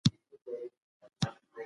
بېلابېلې ډلې له يو بل سره توپير لري.